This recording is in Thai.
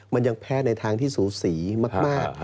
มันยังแพ้ในทางที่สูสีมาก